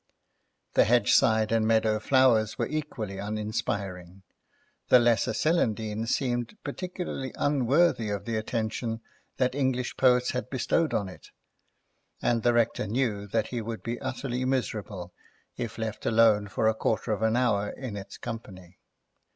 The hedgeside and meadow flowers were equally uninspiring; the lesser celandine seemed particularly unworthy of the attention that English poets had bestowed on it, and the Rector knew that he would be utterly miserable if left alone for a quarter of an hour in its company.